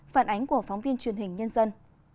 phản ánh của phóng viên truyền hình nhân dân